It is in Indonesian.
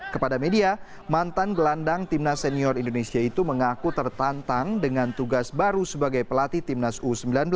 kepada media mantan gelandang timnas senior indonesia itu mengaku tertantang dengan tugas baru sebagai pelatih timnas u sembilan belas